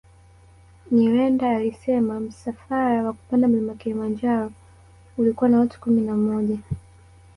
Nyirenda alisema msafara wa kupanda Mlima Kilimanjaro ulikuwa na watu kumi na moja